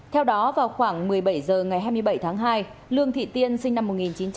theo đó vào khoảng một mươi bảy h ngày hai mươi bảy tháng hai lương thị tiên sinh năm một nghìn chín trăm tám mươi